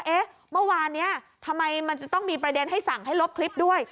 เอ๊ะเมื่อวานนี้ทำไมมันจะต้องมีประเด็นให้สั่งให้ลบคลิปด้วย